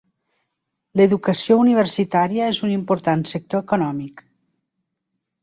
L'educació universitària és un important sector econòmic.